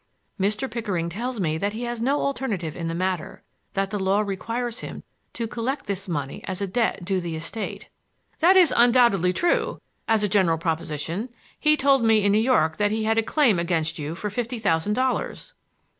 "Mr. Pickering tells me that he has no alternative in the matter; that the law requires him to collect this money as a debt due the estate." "That is undoubtedly true, as a general proposition. He told me in New York that he had a claim against you for fifty thousand dollars."